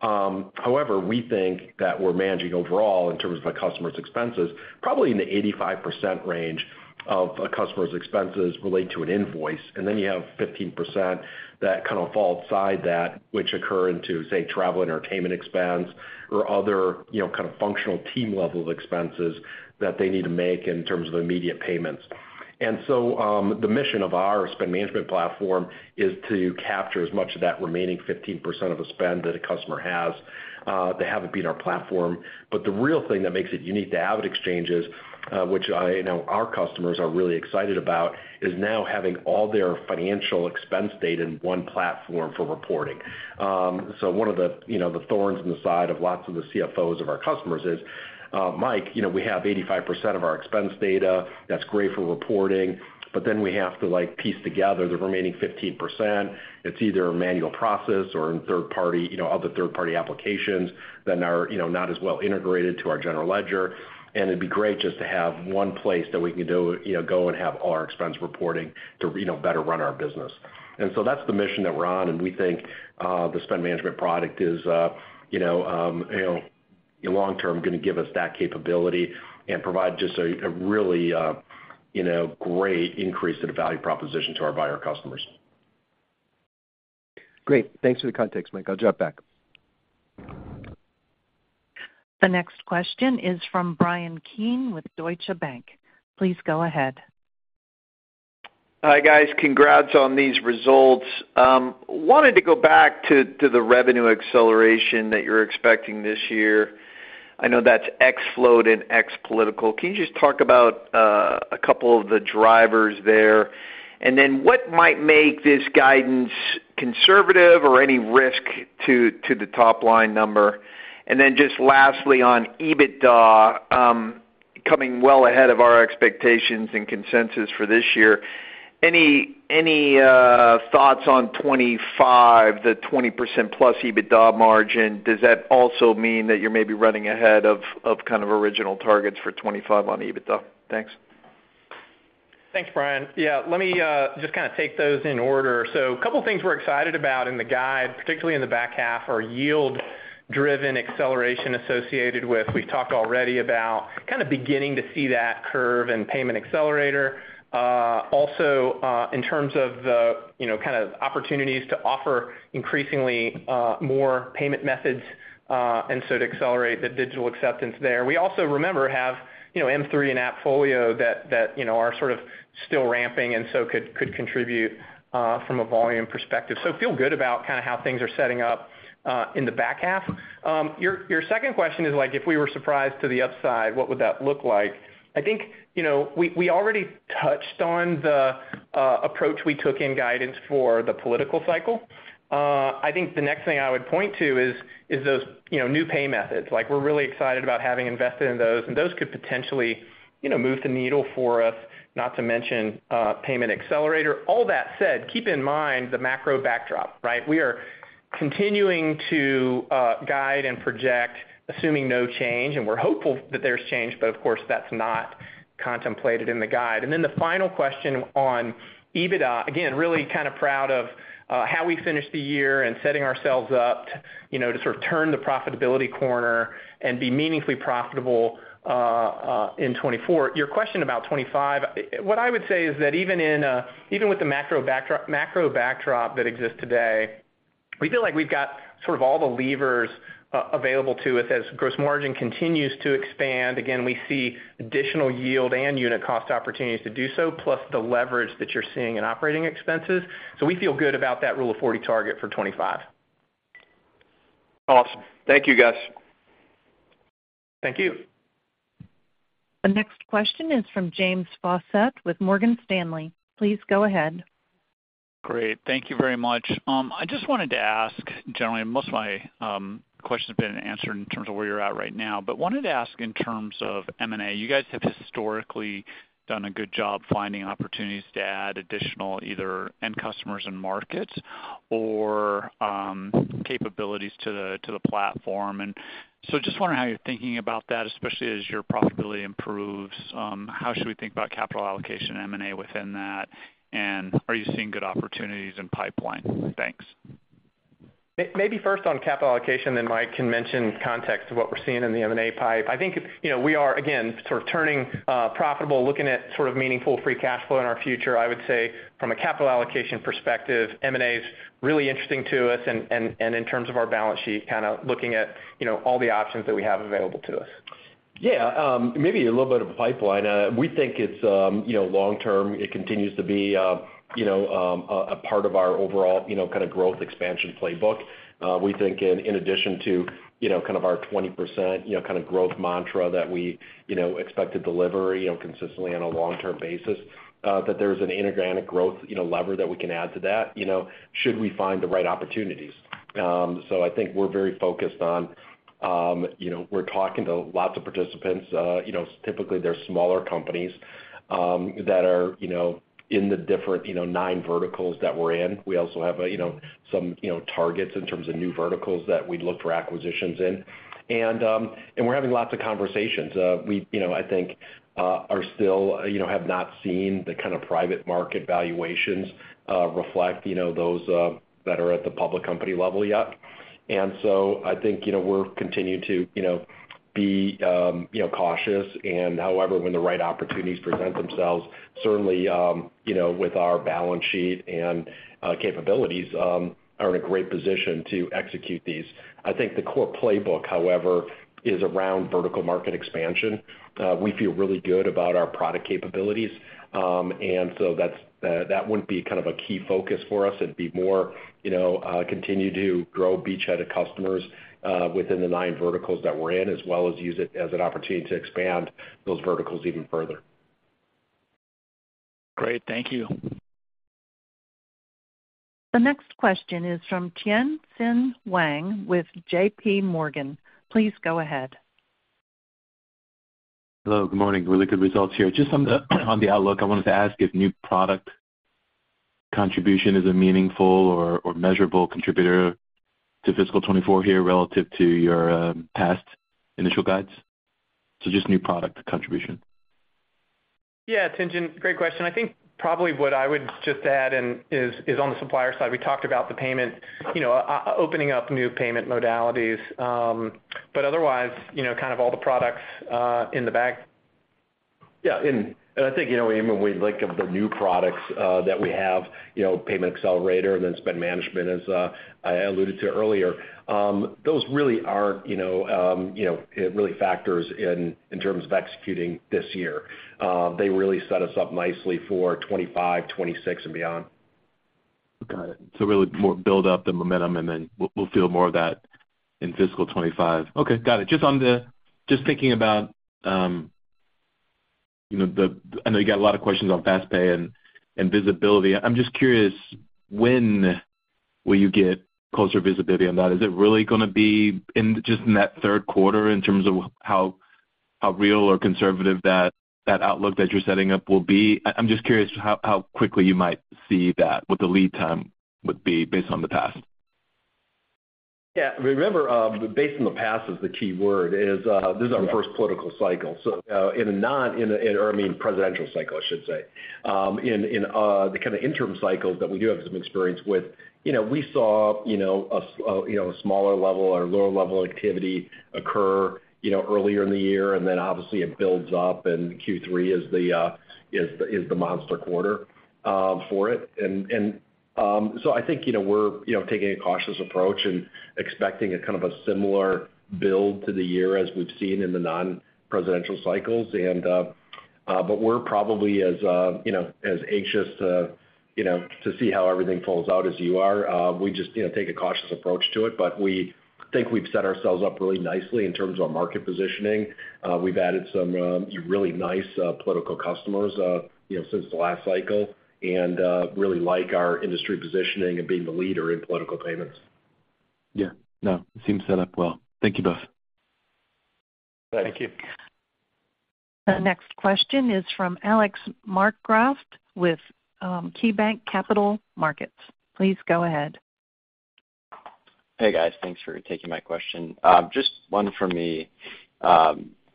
However, we think that we're managing overall, in terms of a customer's expenses, probably in the 85% range of a customer's expenses relate to an invoice, and then you have 15% that kind of fall outside that, which occur into, say, travel, entertainment expense, or other, you know, kind of functional team level expenses that they need to make in terms of immediate payments... The mission of our spend management platform is to capture as much of that remaining 15% of the spend that a customer has that haven't been our platform. But the real thing that makes it unique to AvidXchange is, which I know our customers are really excited about, is now having all their financial expense data in one platform for reporting. So one of the, you know, the thorns in the side of lots of the CFOs of our customers is, Mike, you know, we have 85% of our expense data. That's great for reporting, but then we have to, like, piece together the remaining 15%. It's either a manual process or in third-party, you know, other third-party applications that are, you know, not as well integrated to our general ledger. And it'd be great just to have one place that we can do, you know, go and have all our expense reporting to, you know, better run our business. And so that's the mission that we're on, and we think, the spend management product is, you know, long term, gonna give us that capability and provide just a, a really, you know, great increase in the value proposition to our buyer customers. Great. Thanks for the context, Mike. I'll drop back. The next question is from Bryan Keane with Deutsche Bank. Please go ahead. Hi, guys. Congrats on these results. Wanted to go back to the revenue acceleration that you're expecting this year. I know that's ex-float and ex-political. Can you just talk about a couple of the drivers there? And then what might make this guidance conservative or any risk to the top line number? And then just lastly, on EBITDA, coming well ahead of our expectations and consensus for this year. Any thoughts on 2025, the 20%+ EBITDA margin? Does that also mean that you're maybe running ahead of kind of original targets for 2025 on EBITDA? Thanks. Thanks, Bryan. Yeah, let me just kind of take those in order. So a couple of things we're excited about in the guide, particularly in the back half, are yield-driven acceleration associated with, we've talked already about kind of beginning to see that curve and Payment Accelerator. Also, in terms of the, you know, kind of opportunities to offer increasingly more payment methods, and so to accelerate the digital acceptance there. We also, remember, have, you know, M3 and AppFolio that, that, you know, are sort of still ramping and so could, could contribute from a volume perspective. So feel good about kind of how things are setting up in the back half. Your second question is like, if we were surprised to the upside, what would that look like? I think, you know, we, we already touched on the approach we took in guidance for the political cycle. I think the next thing I would point to is those, you know, new pay methods. Like, we're really excited about having invested in those, and those could potentially, you know, move the needle for us, not to mention Payment Accelerator. All that said, keep in mind the macro backdrop, right? We are continuing to guide and project, assuming no change, and we're hopeful that there's change, but of course, that's not contemplated in the guide. And then the final question on EBITDA. Again, really kind of proud of how we finished the year and setting ourselves up to, you know, to sort of turn the profitability corner and be meaningfully profitable in 2024. Your question about 25, what I would say is that even in, even with the macro backdrop that exists today, we feel like we've got sort of all the levers available to us. As gross margin continues to expand, again, we see additional yield and unit cost opportunities to do so, plus the leverage that you're seeing in operating expenses. So we feel good about that Rule of 40 target for 25. Awesome. Thank you, guys. Thank you. The next question is from James Faucette with Morgan Stanley. Please go ahead. Great. Thank you very much. I just wanted to ask generally, most of my questions have been answered in terms of where you're at right now, but wanted to ask in terms of M&A. You guys have historically done a good job finding opportunities to add additional, either end customers and markets or, capabilities to the platform. And so just wondering how you're thinking about that, especially as your profitability improves, how should we think about capital allocation M&A within that? And are you seeing good opportunities in pipeline? Thanks. Maybe first on capital allocation, then Mike can mention context of what we're seeing in the M&A pipe. I think, you know, we are, again, sort of turning profitable, looking at sort of meaningful free cash flow in our future. I would say from a capital allocation perspective, M&A is really interesting to us, and in terms of our balance sheet, kind of looking at, you know, all the options that we have available to us. Yeah, maybe a little bit of a pipeline. We think it's, you know, long term, it continues to be, you know, a part of our overall, you know, kind of growth expansion playbook. We think in addition to, you know, kind of our 20%, you know, kind of growth mantra that we, you know, expect to deliver, you know, consistently on a long-term basis, that there's an inorganic growth, you know, lever that we can add to that, you know, should we find the right opportunities. So I think we're very focused on, you know, we're talking to lots of participants. You know, typically, they're smaller companies that are, you know, in the different, you know, nine verticals that we're in. We also have, you know, some, you know, targets in terms of new verticals that we'd look for acquisitions in. And we're having lots of conversations. We, you know, I think, are still, you know, have not seen the kind of private market valuations reflect, you know, those that are at the public company level yet. And so I think, you know, we'll continue to, you know, be, you know, cautious. However, when the right opportunities present themselves, certainly, you know, with our balance sheet and capabilities, we are in a great position to execute these. I think the core playbook, however, is around vertical market expansion. We feel really good about our product capabilities, and so that wouldn't be kind of a key focus for us. It'd be more, you know, continue to grow beachhead of customers within the nine verticals that we're in, as well as use it as an opportunity to expand those verticals even further. Great. Thank you. The next question is from Tien-Tsin Huang with JPMorgan. Please go ahead. Hello, good morning. Really good results here. Just on the outlook, I wanted to ask if new product contribution is a meaningful or measurable contributor to fiscal 2024 here relative to your past initial guides? So just new product contribution. Yeah, Tien-Tsin, great question. I think probably what I would just add is on the supplier side. We talked about the payment, you know, opening up new payment modalities. But otherwise, you know, kind of all the products in the back. Yeah, and I think, you know, even when we think of the new products that we have, you know, Payment Accelerator and then spend management, as I alluded to earlier, those really aren't, you know, it really factors in terms of executing this year. They really set us up nicely for 2025, 2026 and beyond. Got it. So really more build up the momentum, and then we'll feel more of that in fiscal 25. Okay, got it. Just on the. Just thinking about, you know, the. I know you got a lot of questions on FastPay and visibility. I'm just curious, when will you get closer visibility on that? Is it really gonna be in just in that third quarter in terms of how real or conservative that outlook that you're setting up will be? I'm just curious how quickly you might see that, what the lead time would be based on the past. Yeah, remember, based on the past is the key word, this is our first political cycle. So, in a non-presidential cycle, I should say. In the kind of interim cycles that we do have some experience with, you know, we saw you know, a smaller level or lower level activity occur, you know, earlier in the year, and then obviously it builds up, and Q3 is the monster quarter for it. And so I think, you know, we're taking a cautious approach and expecting a kind of a similar build to the year as we've seen in the non-presidential cycles. But we're probably as, you know, as anxious to, you know, to see how everything falls out as you are. We just, you know, take a cautious approach to it, but we think we've set ourselves up really nicely in terms of our market positioning. We've added some really nice political customers, you know, since the last cycle and really like our industry positioning and being the leader in political payments. Yeah. No, it seems set up well. Thank you both. Thank you. Thank you. The next question is from Alex Markgraff with KeyBanc Capital Markets. Please go ahead. Hey, guys. Thanks for taking my question. Just one for me.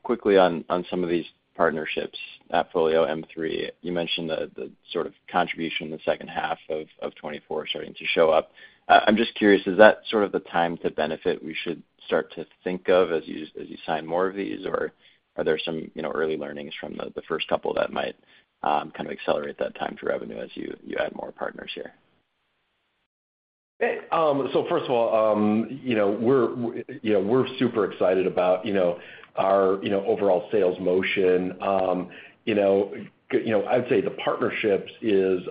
Quickly on some of these partnerships, AppFolio, M3, you mentioned the sort of contribution in the second half of 2024 starting to show up. I'm just curious, is that sort of the time to benefit we should start to think of as you sign more of these? Or are there some, you know, early learnings from the first couple that might kind of accelerate that time to revenue as you add more partners here? Hey, so first of all, you know, we're, you know, we're super excited about, you know, our, you know, overall sales motion. You know, you know, I'd say the partnerships is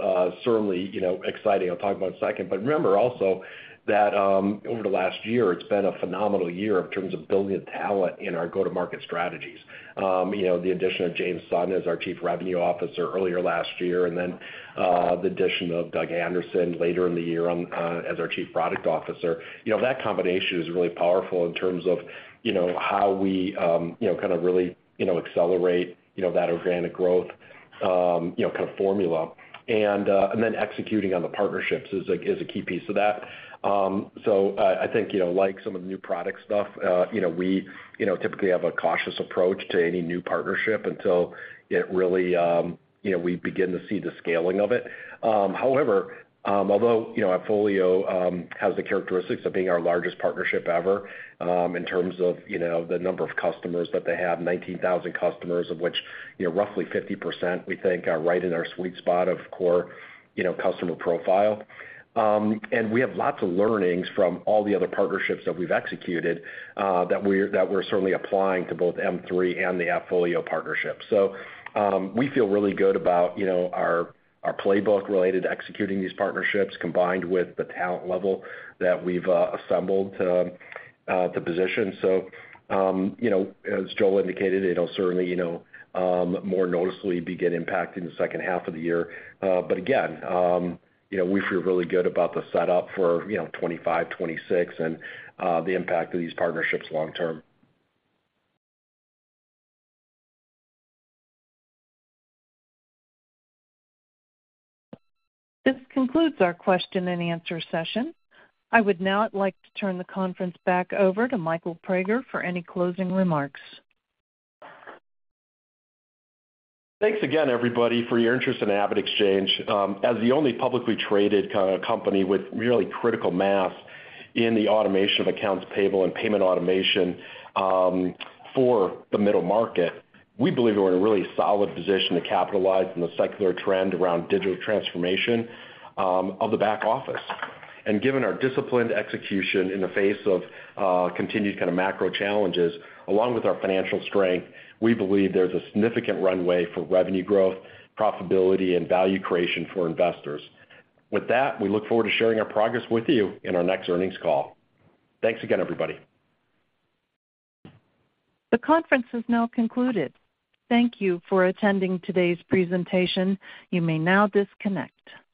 certainly, you know, exciting. I'll talk about in a second. But remember also that, over the last year, it's been a phenomenal year in terms of building talent in our go-to-market strategies. You know, the addition of James Sun as our Chief Revenue Officer earlier last year, and then, the addition of Doug Anderson later in the year on, as our Chief Product Officer, you know, that combination is really powerful in terms of, you know, how we, you know, kind of really, you know, accelerate, you know, that organic growth, you know, kind of formula. And then executing on the partnerships is a key piece of that. So I think, you know, like some of the new product stuff, you know, we, you know, typically have a cautious approach to any new partnership until it really, you know, we begin to see the scaling of it. However, although, you know, AppFolio has the characteristics of being our largest partnership ever, in terms of, you know, the number of customers, but they have 19,000 customers, of which, you know, roughly 50%, we think, are right in our sweet spot of core, you know, customer profile. And we have lots of learnings from all the other partnerships that we've executed, that we're certainly applying to both M3 and the AppFolio partnership. So, we feel really good about, you know, our, our playbook related to executing these partnerships, combined with the talent level that we've assembled to the position. So, you know, as Joel indicated, it'll certainly, you know, more noticeably begin impacting the second half of the year. But again, you know, we feel really good about the setup for, you know, 2025, 2026, and the impact of these partnerships long term. This concludes our question and answer session. I would now like to turn the conference back over to Michael Praeger for any closing remarks. Thanks again, everybody, for your interest in AvidXchange. As the only publicly traded kind of company with really critical mass in the automation of accounts payable and payment automation, for the middle market, we believe we're in a really solid position to capitalize on the secular trend around digital transformation, of the back office. And given our disciplined execution in the face of, continued kind of macro challenges, along with our financial strength, we believe there's a significant runway for revenue growth, profitability, and value creation for investors. With that, we look forward to sharing our progress with you in our next earnings call. Thanks again, everybody. The conference has now concluded. Thank you for attending today's presentation. You may now disconnect.